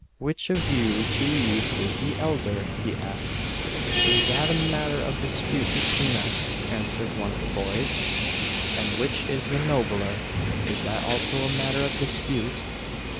* "Which of you two youths is the elder ?" he asked. " That is a matter of dispute between us," answered one of the boys. " And which is the nobler ? Is that also a matter of dispute